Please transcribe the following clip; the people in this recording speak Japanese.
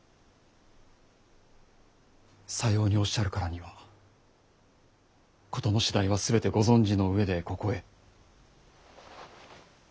さようにおっしゃるからには事の次第は全てご存じの上でここへ。